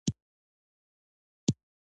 وجه جامع داستعارې درېیم رکن دﺉ.